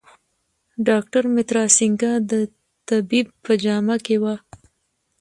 ډاکټر مترا سینګه د طبیب په جامه کې و.